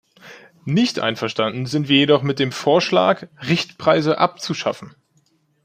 Nicht einverstanden sind wir jedoch mit dem Vorschlag, Richtpreise abzuschaffen.